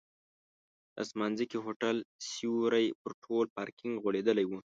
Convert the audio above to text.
د اسمانځکي هوټل سیوری پر ټول پارکینک غوړېدلی و.